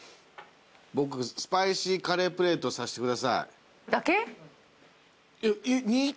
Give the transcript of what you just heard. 僕スパイシーカレープレートさせてください。だけ？